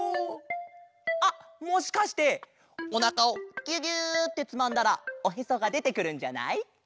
あっもしかしておなかをギュギュッてつまんだらおへそがでてくるんじゃない？